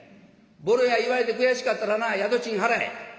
ぼろや言われて悔しかったらな宿賃払え」。